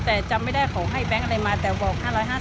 แต่จำไม่ได้เขาให้แบงค์อะไรมาแต่บอก๕๕๐